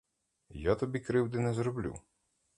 Я тобі кривди не зроблю.